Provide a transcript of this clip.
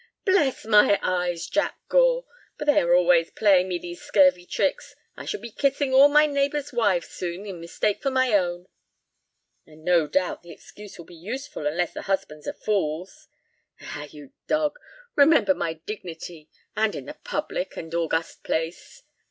"Bless my eyes, Jack Gore, but they are always playing me these scurvy tricks. I shall be kissing all my neighbors' wives soon in mistake for my own." "And no doubt the excuse will be useful, unless the husbands are fools." "Ah, you dog! Remember my dignity, and in the public and august place.